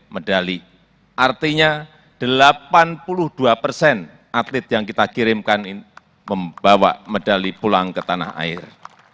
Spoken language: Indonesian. medali artinya delapan puluh dua persen atlet yang kita kirimkan membawa medali pulang ke tanah air